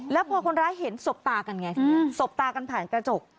แล้วพอคนร้ายเห็นสบตากันไงสบตากันผ่านกระจก